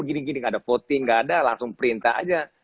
gini gini nggak ada voting nggak ada langsung perintah aja